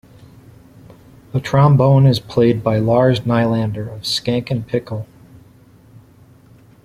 The trombone is played by Lars Nylander of Skankin' Pickle.